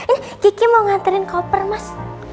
ini gigi mau nganterin koper mas